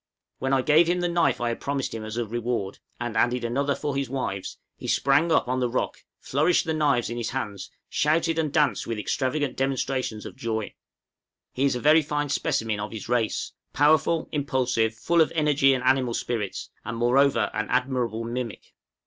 When I gave him the knife I had promised as his reward, and added another for his wives, he sprang up on the rock, flourished the knives in his hands, shouted, and danced with extravagant demonstrations of joy. He is a very fine specimen of his race, powerful, impulsive, full of energy and animal spirits, and moreover an admirable mimic.